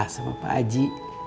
sama pak aji